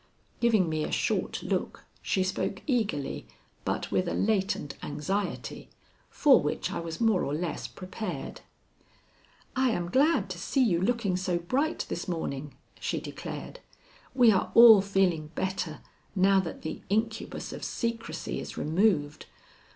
Giving me a short look, she spoke eagerly but with a latent anxiety, for which I was more or less prepared. "I am glad to see you looking so bright this morning," she declared. "We are all feeling better now that the incubus of secrecy is removed.